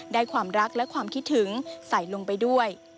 ความรักและความคิดถึงใส่ลงไปด้วย